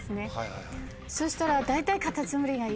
そしたら大体。